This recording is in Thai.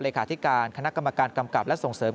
ที่การคณะกรรมการกำกับและส่งเสริม